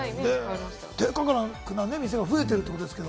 低価格な店が増えてるってことですね。